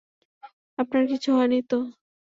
আপনার কিছু হয়নি তো?